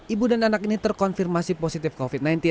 ibu dan anak ini terkonfirmasi positif covid sembilan belas